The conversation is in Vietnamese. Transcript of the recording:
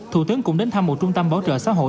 thủ tướng cũng đến thăm một trung tâm bảo trợ xã hội